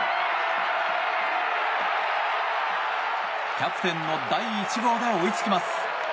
キャプテンの第１号で追いつきます。